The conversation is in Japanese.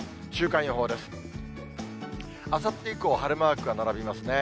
あさって以降、晴れマークが並びますね。